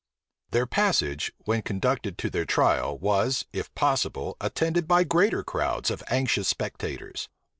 Their passage, when conducted to their trial, was, if possible, attended by greater crowds of anxious spectators.